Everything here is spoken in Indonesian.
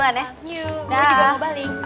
gue juga mau balik